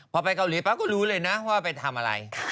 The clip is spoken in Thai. พอไปเกาหลีปั๊บก็รู้เลยนะว่าไปทำอะไร